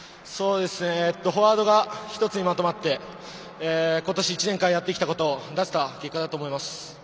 フォワードが１つにまとまって今年１年間やってきたことを出せた結果だと思います。